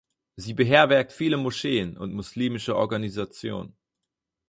Sie beherbergt viele Moscheen und muslimische Organisationen.